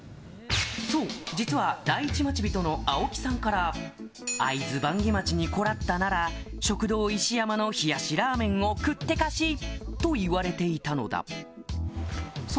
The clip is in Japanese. そう、実は第一町人の青木さんから、会津坂下町にこらったなら、食堂いしやまの冷やしラーメンを食ってかし！と言われていたのだ。